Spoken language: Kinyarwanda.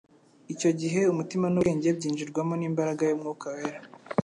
icyo gihe umutima n'ubwenge byinjirwamo n'imbaraga y'Umwuka wera;